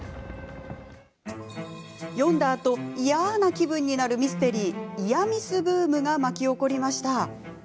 読んだあと嫌な気分になるミステリーイヤミスブームが巻き起こりました。